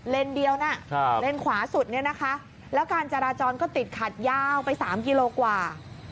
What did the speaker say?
เดียวนะเลนขวาสุดเนี่ยนะคะแล้วการจราจรก็ติดขัดยาวไป๓กิโลกว่า